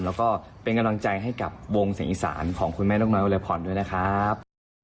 แล้วก็เป็นกำลังใจให้กับวงเสียงอีสานของคุณแม่นกน้อยวรพรด้วยนะครับ